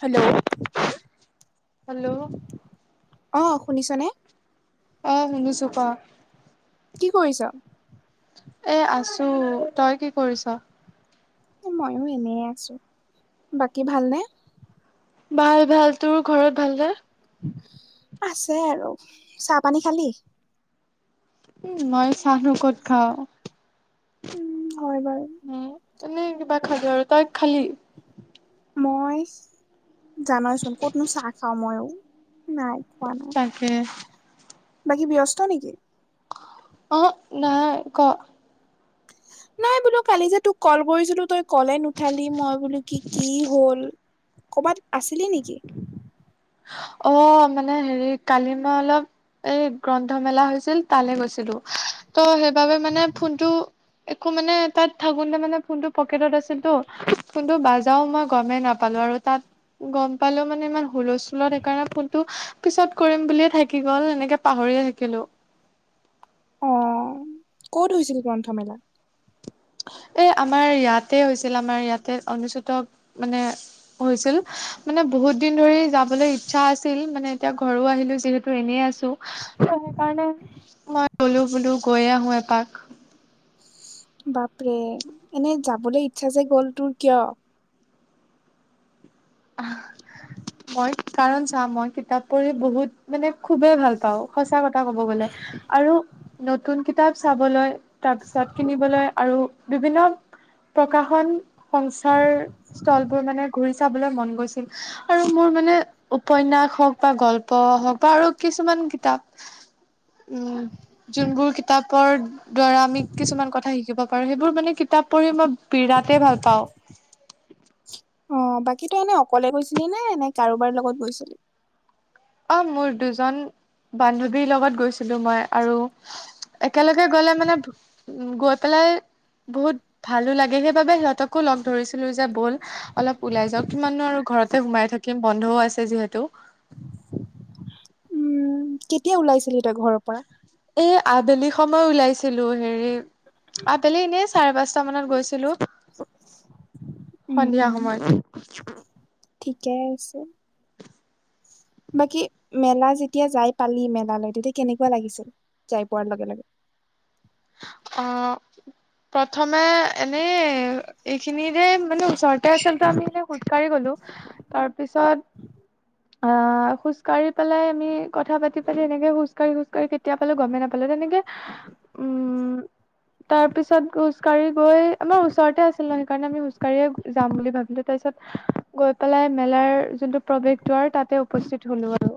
Hello hello অঁ শুনিছানে। অঁ, শুনিছো ক। কি কৰিছ। এ আছো, তই কি কৰিছ? ময়ো এনে আছো, বাকী ভালনে? ভাল ভাল, তোৰ ঘৰত ভাল নে? আছে আৰু, চাহ পানী খালি? উম মই চাহনো ক'ত খাওঁ। উম হয় বাৰু। উম, এনেই কিবা খাজৰ এটা খালি? মই জানইচোন কতনো চাহ খাও, মইও নাই খোৱা নাই। তাকে বাকী ব্যস্ত নেকি? অহো, নহয় ক। নাই বোলো কালি যে তোক কল কৰিছিলো তই ক'লে নুঠালি মই বোলো কি কি হল, কৰ'বাত আছিলি নেকি? অঁ, মানে হেৰি কালি মই অলপ এই গ্ৰন্থমেলা হৈছিল তালৈ গৈছিলো, ত' সেইবাবে মানে ফোনটো একো মানে তাত থাকোতে মানে ফোনটো পকেটত আছিল টো ফোনটো বাজাও মই গমেই নাপ পালো আৰু তাত গম পালো মানে ইমান হুলস্থ ফ ফুলত সেইকাৰণে ফোনটো পিছত কৰিম বুলিয়ে থাকি গ'ল, এনেকে পাহৰিয়ে থাকিলো। অ' ক'ত হৈছিল গ্ৰন্থমেলা? এ আমাৰ ইয়াতে হৈছিল আমাৰ ইয়াতে অনুচ হত মানে হৈছিল মানে বহুত দিন ধৰি যাবলৈ ইচ্ছা আছিল মানে এতিয়া ঘৰো আহিলো যিহেত এনেই আছো ত' সেইকাৰণে মই গলো বোলো গৈয়ে আহো এপাক বাপৰে এনে যাবলৈ ইচ্ছা যে গ'ল তোৰ কিয় মই কাৰণ চা মই কিতাপ পঢ়ি বহুত মানে খুবেই ভাল পা পাওঁ সঁচা কথা ক'ব গ'লে আৰু নতুন কিতাপ চাবলৈ তাৰ পিছত কিনিবলৈ আৰু বিভিন্ন প্ৰকাশন সংসাৰ স্থলবোৰ মানে ঘূৰি চাবলৈ মন গৈছিল। আৰু মোৰ মানে উপন্যাস হ'ওক বা গল্প হ'ওক বা আৰু কিছুমান কিতাপ [inaudible] উম, যোনবোৰ কিতাপ কাপৰ দ্বাৰা আমি কিছুমান কথা শিকিব পাৰোঁ সেইবোৰ মানে কিতাপ পঢ়ি মই বিৰাটেই ভাল পাওঁ। অ', বাকী তো এনেই অকলে গৈছিলি নে নে কাৰোবাৰ লগত গৈছিলি? অ', মোৰ দুজন বান্ধৱীৰ লগত গৈছিলোঁ মই আৰু একেলগে গ'লে মানে উম, গৈ পেলাই বহুত ভালো লাগে সেইবাবে সিহঁতকো লগ ধৰিছিলো যে ব'ল অলপ ওলাই যাওক কিমাননো আৰু ঘৰতে সোমাই থাকিম বন্ধও আছে যিহেতু উম, কেতিয়া ওলাইছিলি তই ঘৰৰ পৰা? এই আবেলি সময় ওলাইছিলো হেৰি আবেলি এনেই চাৰে পাঁচটা মানত গৈছিলোঁ উম, সন্ধিয়া উম, সময়ত ঠিকে আছে। বাকী মেলা যেতিয়া যাই পালি মেলালৈ তেতিয়া কেনেকুৱা লাগিছিল যাই পোৱাৰ লগে লগে অ', প্ৰথমে এনেই এইখিনিৰে মানে ওচৰ তে আচলতে আমি এনেই খোজকাঢ়ি গ'লো তাৰপিছত আ, খোজকাঢ়ি পেলাই আমি কথা পাতি পাতি এনেকে খোজকঢ়ি খোজকাঢ়ি কেতিয়া পালো গমেই নাপালো তেনেকে উম, তাৰপিছত খোজকাঢ়ি গৈ আমাৰ ওচৰতে আছিল সেইকাৰণে আমি খোজকাঢ়িয়ে যাম বুলি ভাবিলো। তাৰপিছত গৈ পেলাই মেলাৰ যোনটো প্ৰৱেশ দ্বাৰ তাতে উপস্থিত হলো আৰু।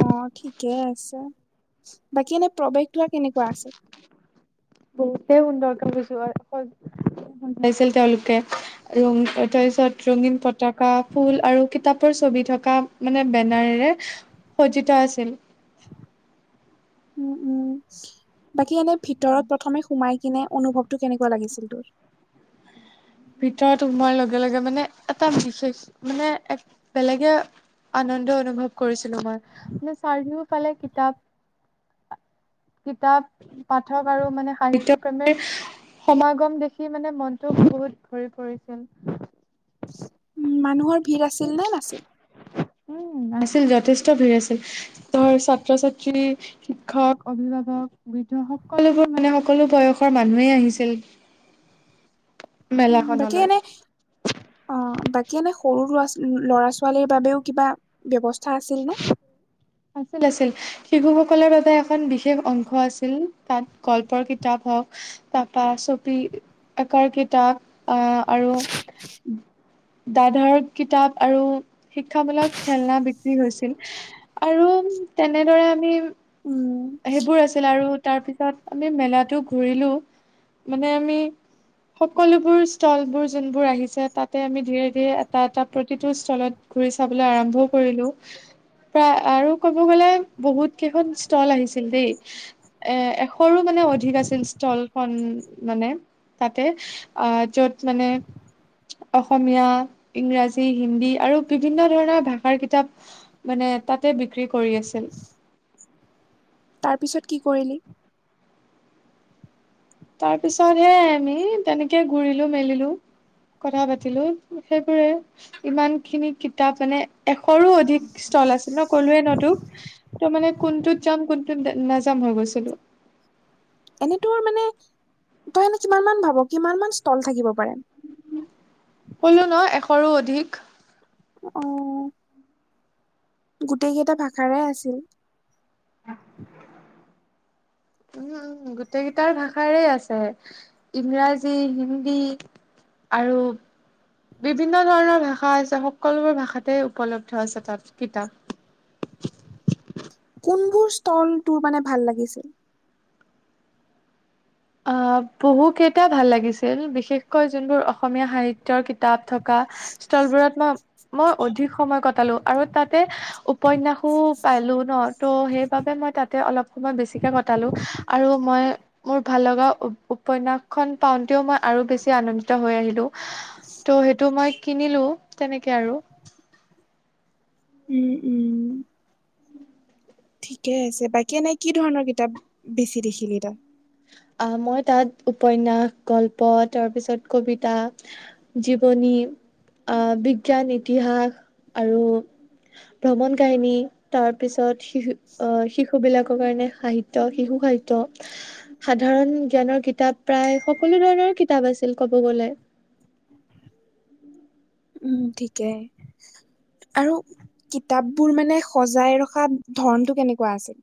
অ', ঠিকেই আছে বাকী এনে প্ৰৱেশ দ্বাৰ কেনেকুৱা আছে? বহুতেই সুন্দৰকে গৈছো আৰু শেষত গম পাইছিল তেওঁলোকে তাৰপিছত ৰঙীন পতাকা ফুল আৰু কিতাপৰ ছবি থকা মানে বেনাৰেৰে সজ্জিত আছিল উম, উম, বাকী এনে ভিতৰত প্ৰথমে সোমাই কিনে অনুভৱটো কেনেকুৱা লাগিছিল তোৰ? ভিতৰত সোমোৱাৰ লগে লগে মানে এটা বেশেষ মানে এক বেলেগে আনন্দ অনুভৱ কৰিছিলোঁ মই মানে চাৰিও ফালে কিতাপ [inaudible] কিতাপ পাঠক আৰু মানে সাহিত্য ক্ৰমে সমাগম দেখি মানে মনটো বহুত ভৰি পৰিছিল উম, মানুহৰ ভিৰ আছিল নে নাছিল? উম, আছিল যথেষ্ট ভিৰ আছিল ধৰ ছাত্ৰ ছাত্ৰী শিক্ষক অভিভাৱক বৃদ্ধ সকলোবোৰ মানে সকলো বয়সৰ মানুহয়েই আহিছিল বাকী মেলাখনলৈ। এনে অ', বাকী এনে সৰু লৰা ল'ৰা ছোৱালীৰ বাবেও কিবা ব্যৱস্থা আছিল নে? আছিল আছিল শিশুসকলৰ বাবে এখন বিশেষ অংশ আছিল তাত গল্পৰ কিতাপ হওক ততপা চপি আকাৰ কিতাপ আ, আৰু দাধৰ কিতাপ আৰু শিক্ষামূলক খেলনা বি গৈছিল আৰু তেনেদৰে আমি উম সেইবোৰ আছিল আৰু তাৰ পিছত আমি মেলাতো ঘূৰিলো মানে আমি সকলোবোৰ স্থলবোৰ যোনবোৰ আহিছে তাতে আমি ধীৰে ধীৰে এটা এটা প্ৰতিটো স্থলত ঘুৰি চাবলৈ আৰম্ভও কৰিলো প্ৰায় আৰু ক'ব গ'লে বহুত কেইখন ষ্টল আহিছিল দেই এ এশৰো মানে অধিক আছিল ষ্টলখন মানে তাতে অ য'ত মানে অসমীয়া ইংৰাজী হিন্দী আৰু বিভিন্ন ধৰণৰ ভাষাৰ কিতাপ মানে তাতে বিক্ৰী কৰি আছিল তাৰ পিছত কি কৰিলি তাৰ পিছত হে আমি তেনেকে ঘূৰিলো মেলিলো কথা পাতিলো সেইবোৰে ইমান খিনি কিতাপ মানে এশৰো অধিক ষ্টল আছে ন ক'লোৱে ন তোক ত মানে কোনটোত যাম কোনটোত নাযাম হৈ গৈছিলো এনেই তোৰ মানে তই এনে কিমান মান ভাব কিমান মান ষ্টল থাকিব পাৰে কলো ন এশৰো অধিক অ গোটেই কেইটা ভাষাৰে আছিল উম উম উম গোটেইকেইটাৰ ভাষাৰে আছে ইংৰাজী হিন্দী আৰু বিভিন্ন ধৰণৰ ভাষা আছে সকলোবোৰ ভাষাতে উপলব্ধ আছে তাত কিতাপ কোনবোৰ ষ্টল তোৰ মানে ভাল লাগিছিল অ বহু কেইটা ভাল লাগিছিল বিশেষকৈ যোনবোৰ অসমীয়া সাহিত্যৰ কিতাপ থকা [unintelligible] ষ্টলবোৰত মই মই অধিক সময় কটালো আৰু তাতে উপন্যাসো পালো ন ত' সেইবাবে মই তাতে অলপ সময় বেছিকে কটালো আৰু মই মোৰ ভাল লগা উপন্যাসখন পাওঁতেও মই আৰু বেছি আনন্দিত হৈ আহিলো ত' সেইটো মই কিনিলো তেনেকে আৰু উম উম ঠিকে আছে বাকী এনেই কি ধৰণৰ কিতাপ বেছি দেখিলি ত ই অ মই তাত উপন্যাস গল্প তাৰপিছত কবিতা জীৱনী আহ বিজ্ঞান ইতিহাস আৰু ভ্ৰমণ কাহিনী তাৰ পিছত শিশু আহ শিশু বিলাকৰ কাৰণে সাহিত্য শিশু সাহিত্য সাধাৰণ জ্ঞানৰ কিতাপ প্ৰায় সকলো ধৰণৰ কিতাপ আছিল ক'ব গলে উম ঠিকেই আৰু কিতাপ বোৰ মানে সজাই ৰখা ধৰনতটো কেনেকুৱা আছিল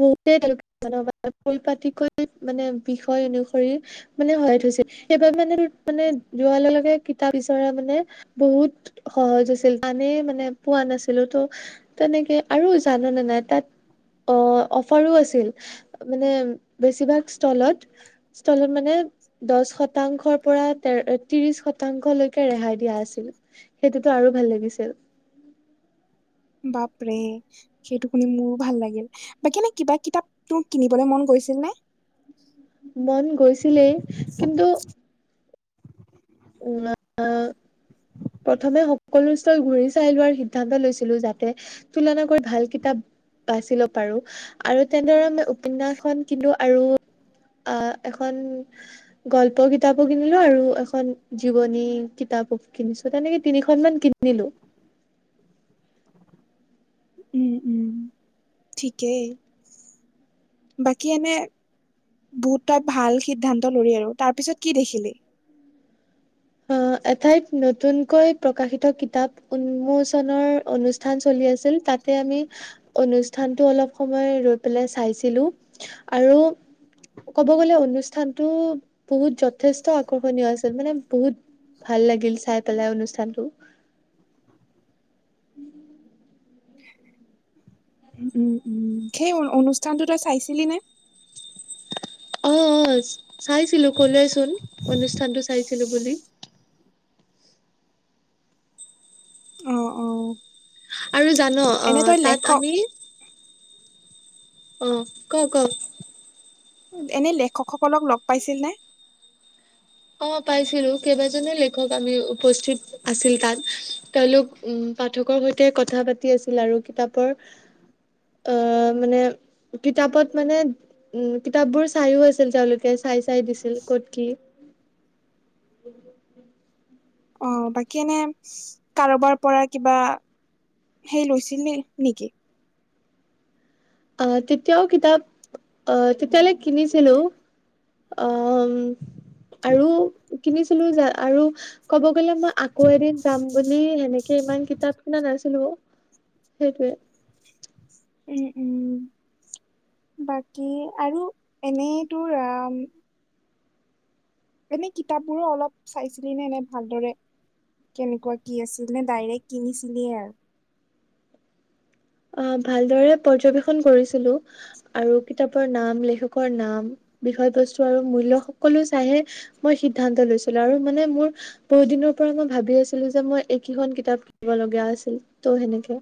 বহুতে তেওঁলোকে পৰিপাটিকৈ মানে বিষয় অনুসৰি মানে হয়াই থৈছিল সেইবাৰ মানে মানে যোৱাৰ লগে লগে কিতাপ বিচৰা মানে বহুত সহজ আছিল জানেই মানে পোৱা নাছিলো ত' তেনেকে আৰু জানোনে নাই তাত অ অফাৰো আছিল মানে বেছিভাগ ষ্টলত [unintelligible] মানে দহ শতাংশৰ পৰা তে ত্ৰিশ শতাংশলৈকে ৰেহাই দিয়া আছিল। সেইটোতো আৰু ভাল লাগিছিল। বাপৰে সেইটো শুনি মোৰো ভাল লাগিল, বাকী এনে কিবা কিতাপ তোৰ কিনিবলৈ মন গৈছিল নে? মন গৈছিলেই কিন্তু না আ প্ৰথমে হ'ব সকলো চৰ ঘূৰি চাই লোৱাৰ সিদ্ধান্ত লৈছিলো যাতে তুলনাকৈ ভাল কিতাপ বাচি লপ পাৰো আৰু তেনেদৰে মই উপন্যাসখন কিনো আৰু আ এখন গল্প কিতাপো কিনিলো আৰু এখন জীৱনী কিতাপো কিনিছো তেনেকে তিনিখনমান কিনিলো। উম উম ঠিকেই, বাকী এনে বহুত তই ভাল সিদ্ধান্ত ললি আৰু তাৰ পিছত কি দেখিলি অ এঠাইত নতুনকৈ প্ৰকাশিত কিতাপ উন্মোচনৰ অনুষ্ঠান চলি আছিল তাত তাতে আমি অনুষ্ঠানটো অলপ সময় ৰৈ পেলাই চাইছিলো আৰু ক'ব গ'লে অনুষ্ঠানতটো বহুত যথেষ্ট আকৰ্ষণীয় আছিল মানে বহুত ভাল লাগিল চাই পেলাই অনুষ্ঠানটো। [inaudible] উম উম সেই অনুষ্ঠানটো তই চাইছিলি নে অ অ চাইছিলো কলোৱেচোন অনুষ্ঠানতটো চাইছিলো বুলি। অ অ আৰু জান অ এনে তই তাত লেখক আমি অহ ক ক? এনে লেখকসকলক লগ পাইছিল নে? অ পাইছিলো কেইবাজনে লেখক আমি উপস্থিত আছিল তাত, তেওঁলোক উম পাঠকৰ সৈতে কথা পাতি আছিল আৰু কিতাপৰ আহ মানে কিতাপত মানে উম কিতাপ বোৰ চাইও আছিল তেওঁলোকে চাই চাই দিছিল ক'ত কি [unintelligible] অ বাকী এনে কাৰোবাৰ পৰা কিবা ফেইল হৈছিল নে নেকি? আহ তেতিয়াও কিতাপ আহ তেতিয়ালৈ কিনিছিলো আম আৰু কিনিছিলো যে আৰু ক'ব গ'লে মই আকৌ এদিন যাম বুলি সেনেকে ইমান কিতাপ কিনা নাছিলো। সেইটোৱে। উম উম বাকী আৰু এনে তোৰ আম এনেই কিতাপ বোৰো অলপ চাইছিলি নে এনে ভালদৰে? কেনেকুৱা কি আছিল নে ডাইৰেক্ট কিনিছিলিয়ে আৰ। অ ভালদৰে পৰ্যবেক্ষন কৰিছিলো। আৰু কিতাপৰ নাম লেখকৰ নাম বিষয় বস্তু আৰু মূল্য সকলো চাইহে মই সিদ্ধান্ত লৈছিলো আৰু মানে মোৰ বহু দিনৰ পৰা মই ভাবি আছিলো যে মই এইকেইখন কিতাপ কিনিব লগীয়া আছিল ত' সেনেকে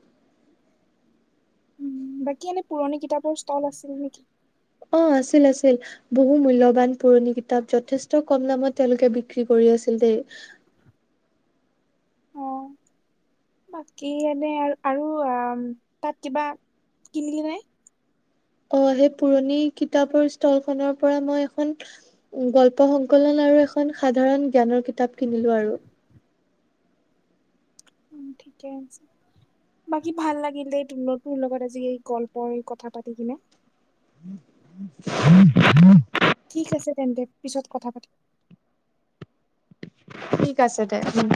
উম বাকী এনে পুৰণি কিতাপৰ ইষ্ঠাপ আছিল নেকি? অ আছিল আছিল। বহু মূল্যবান পুৰণি কিতাপ যথেষ্ট কম দামত তেওঁলোকে বিক্ৰী কৰি আছিল দেই। অ বাকী এনে আৰু আ তাত কিবা কিনিলি নে অ সেই পুৰণি কিতাপৰ ষ্টলখনৰ পৰা মই এখন গল্প সংকলন আৰু এখন সাধাৰণ জ্ঞানৰ কিতাপ কিনিলো আৰু উম ঠিকে আছে বাকী ভাল লাগিলে তোৰ তোৰ লগত আজি এই গল্পৰ কথা পাতি কিনে উম হম ঠিক আছে তেন্তে পিছত কথা পাতিম ঠিক আছে দে উম